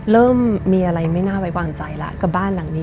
เริ่มมีอะไรไม่น่าไว้วางใจแล้วกับบ้านหลังนี้